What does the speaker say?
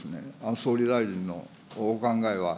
総理大臣のお考えは。